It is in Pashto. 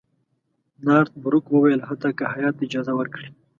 نارت بروک وویل حتی که هیات ته اجازه ورکړي.